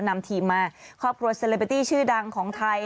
นำทีมมาครอบครัวเซเลเบตี้ชื่อดังของไทย